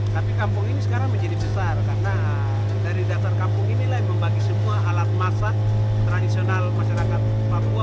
tapi kampung ini sekarang menjadi besar karena dari dasar kampung inilah yang membagi semua alat masak tradisional masyarakat papua